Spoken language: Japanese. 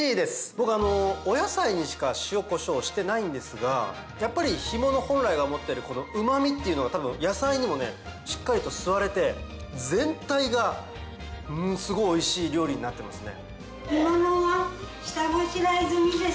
僕お野菜にしか塩こしょうしてないんですがやっぱり干物本来が持ってるこのうま味っていうのが多分野菜にもしっかりと吸われて全体がすごいおいしい料理になってますね。